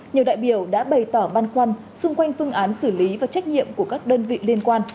nhiều đại biểu đã bày tỏ băn khoăn xung quanh phương án xử lý và trách nhiệm của các đơn vị liên quan